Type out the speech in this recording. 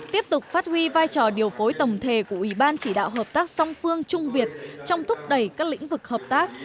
tiếp tục phát huy vai trò điều phối tổng thể của ủy ban chỉ đạo hợp tác song phương trung việt trong thúc đẩy các lĩnh vực hợp tác